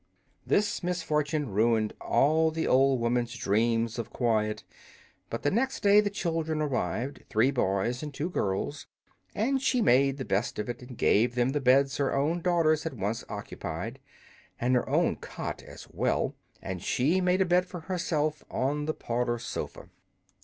This misfortune ruined all the old woman's dreams of quiet; but the next day the children arrived three boys and two girls, and she made the best of it and gave them the beds her own daughters had once occupied, and her own cot as well; and she made a bed for herself on the parlor sofa.